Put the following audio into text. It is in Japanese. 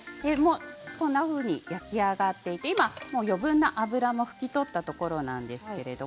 こんなふうに焼き上がって、今余分な油も拭き取ったところなんですけれど